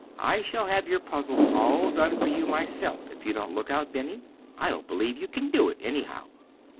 "I shall have your puzzle all done for you myself, if you don't look out, Benny. I don't believe you can do it, anyhow."